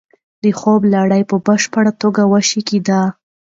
د خوب لړۍ په بشپړه توګه وشکېده.